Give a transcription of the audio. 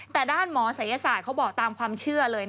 แต่ด้านหมอศัยศาสตร์เขาบอกตามความเชื่อเลย